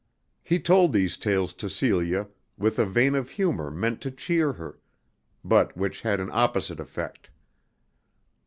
He told these tales to Celia with a vein of humor meant to cheer her, but which had an opposite effect.